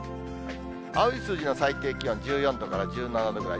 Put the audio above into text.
青い数字の最低気温、１４度から１７度ぐらい。